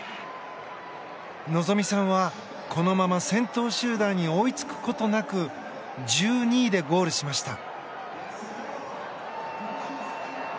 希実さんは、このまま先頭集団に追いつくことなく１２位でゴールしました。